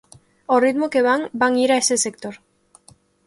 Ao ritmo que van, van ir a ese sector.